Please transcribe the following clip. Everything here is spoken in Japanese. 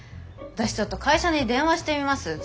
私ちょっと会社に電話してみます。